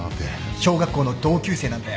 小学校の同級生なんだよ。